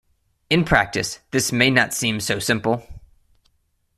In practice this may not seem so simple.